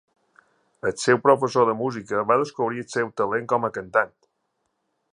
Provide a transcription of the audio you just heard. El seu professor de música va descobrir el seu talent com a cantant.